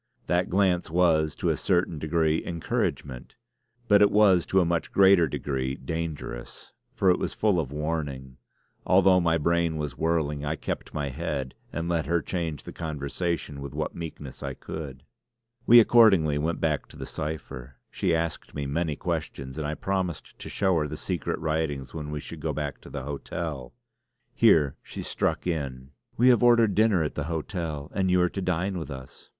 That glance was to a certain degree encouragement; but it was to a much greater degree dangerous, for it was full of warning. Although my brain was whirling, I kept my head and let her change the conversation with what meekness I could. We accordingly went back to the cipher. She asked me many questions, and I promised to show her the secret writings when we should go back to the hotel. Here she struck in: "We have ordered dinner at the hotel; and you are to dine with us."